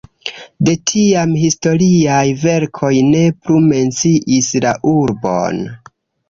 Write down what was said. De tiam historiaj verkoj ne plu menciis la urbon.